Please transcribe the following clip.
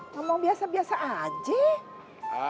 ngomong biasa biasa aja